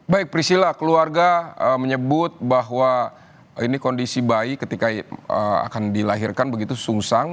baik prisila keluarga menyebut bahwa ini kondisi bayi ketika akan dilahirkan begitu sungsang